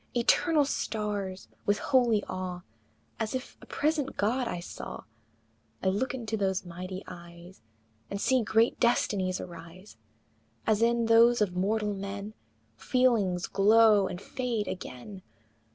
Eternal stars! with holy awe, As if a present God I saw, I look into those mighty eyes And see great destinies arise, As in those of mortal men Feelings glow and fade again!